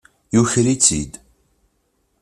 Yuker-itt-id.